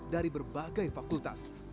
dari berbagai fakultas